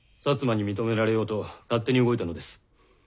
摩に認められようと勝手に動いたのです。